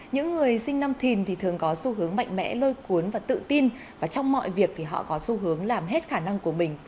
chị gia nổi tiếng thế giới tuổi tiền